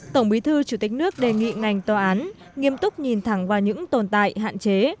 tổng bí thư chủ tịch nước đề nghị ngành tòa án nghiêm túc nhìn thẳng vào những tồn tại hạn chế